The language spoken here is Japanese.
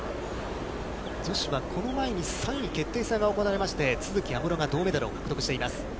女子はこの前に３位決定戦が行われまして、都筑有夢路が銅メダルを獲得しています。